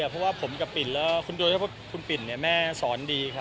เพราะว่าผมกับปิ่นแล้วคุณปิ่นแม่สอนดีครับ